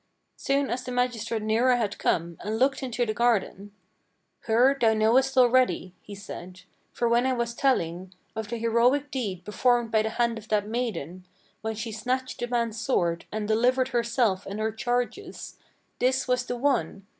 Soon as the magistrate nearer had come, and looked into the garden, "Her thou knowest already," he said; "for when I was telling Of the heroic deed performed by the hand of that maiden, When she snatched the man's sword, and delivered herself and her charges, This was the one!